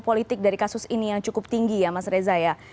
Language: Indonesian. politik dari kasus ini yang cukup tinggi ya mas reza ya